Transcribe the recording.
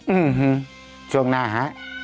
อื้อฮือช่วงหน้าฮะ